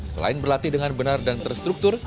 selain berlatih dengan benar dan terstruktur